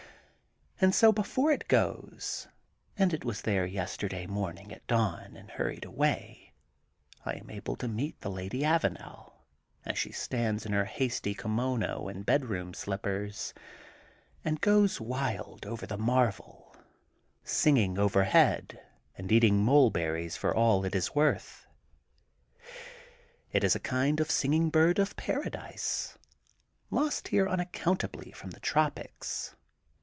And so before it goes, (and it was there yesterday morning at dawn and hurried away), I am able to meet the Lady Avanel, as she stands in her hasty kimono and bedroom slippers, and goes wild over the marvel singing overhead and eating mulberries for all it is worth. It is a kind of Singing Bird of Paradise, lost here unaccountably from the tropics.